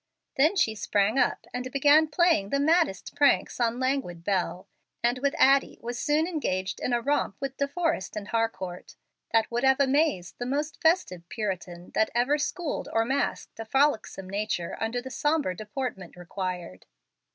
Then she sprang up and began playing the maddest pranks on languid Bel, and with Addie was soon engaged in a romp with De Forrest and Harcourt, that would have amazed the most festive Puritan that ever schooled or masked a frolicsome nature under the sombre deportment required.